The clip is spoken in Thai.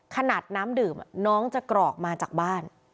น้ำดื่มน้องจะกรอกมาจากบ้าน